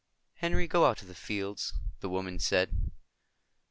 "Henry, go out to the fields," the woman said.